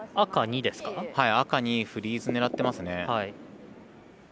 赤２にフリーズ狙ってますね。